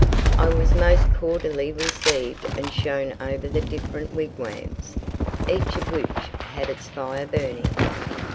I was most cordially received and shown over the different wigwams, each of which had its fire burning.